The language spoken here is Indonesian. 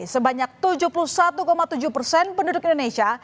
sebanyak tujuh puluh satu tujuh persen penduduk indonesia